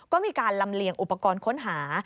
ก็มีการลำเลียงอุปกรณ์ค้นหา